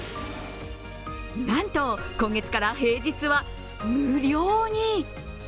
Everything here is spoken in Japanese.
なんと、今月から平日は無料に。